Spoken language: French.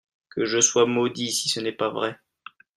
Que je sois maudit si ce n'est pas vrai !